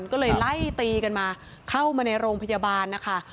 ก็เลยไล่ตีกันมาเข้ามาในโรงพยาบาลนะคะ